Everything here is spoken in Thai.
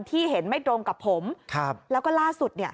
ที่เห็นไม่ตรงกับผมแล้วก็ล่าสุด